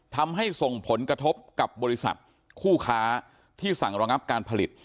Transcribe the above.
ทำให้ส่งผลกระทบกับบริษัทคู่ค้าที่สั่งระงับการผลิต